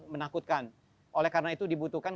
menakutkan oleh karena itu dibutuhkan